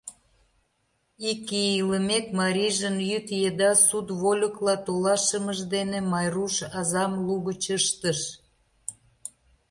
Ик ий илымек, марийжын йӱд еда сут вольыкла толашымыж дене Майруш азам лугыч ыштыш.